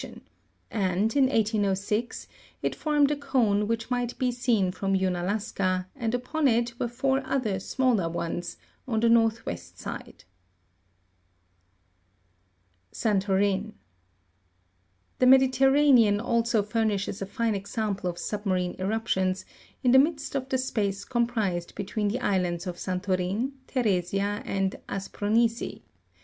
106 PHENOMENA OF SUBMARINE ERUPTIONS. without any apparent ejection ; and, in 1806, it formed a cone which might be seen from Unalaska, and upon it were four other smaller ones, on the north west side. Santorin. The Mediterranean also furnishes a fine example of submarine eruptions, in the midst of the space comprised between the islands of San torin, Teresia and Aspronisi (Jig.